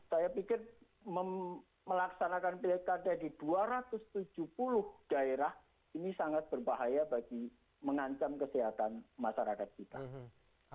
saya pikir melaksanakan pilkada di dua ratus tujuh puluh daerah ini sangat berbahaya bagi mengancam kesehatan masyarakat kita